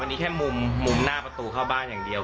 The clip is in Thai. อันนี้แค่มุมหน้าประตูเข้าบ้านอย่างเดียว